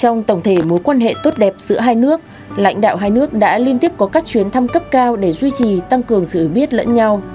trong tổng thể mối quan hệ tốt đẹp giữa hai nước lãnh đạo hai nước đã liên tiếp có các chuyến thăm cấp cao để duy trì tăng cường sự biết lẫn nhau